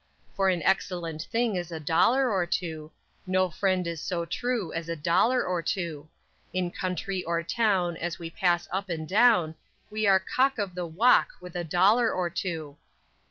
For an excellent thing is a dollar or two; No friend is so true as a dollar or two; In country or town, as we pass up and down, We are cock of the walk with a dollar or two!